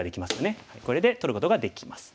これで取ることができます。